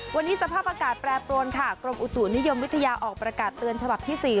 วันนี้สภาพอากาศแปรปรวนค่ะกรมอุตุนิยมวิทยาออกประกาศเตือนฉบับที่๔